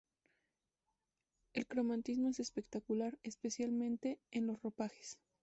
El cromatismo es espectacular, especialmente en los ropajes.